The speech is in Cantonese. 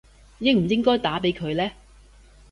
應唔應該打畀佢呢